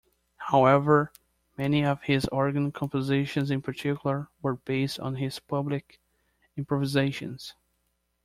However, many of his organ compositions in particular were based on his public improvisations.